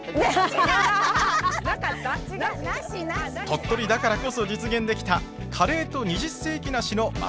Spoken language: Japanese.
鳥取だからこそ実現できたカレーと二十世紀梨のマッチング。